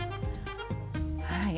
はい。